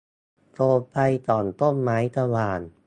โคมไฟส่องต้นไม้สว่าง